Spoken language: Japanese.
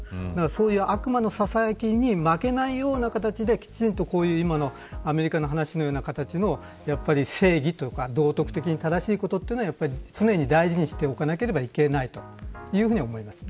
そういう悪魔のささやきに負けないような形でアメリカの話のような形で正義や道徳的に正しいことを常に大事にしておかなければいけないと思います。